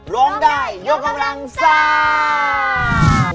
ร้องได้ยกกำลังซ่า